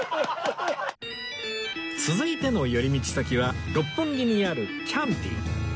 続いての寄り道先は六本木にあるキャンティ